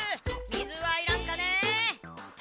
水はいらんかね！